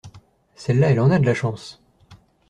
Celle-là elle en a de la chance.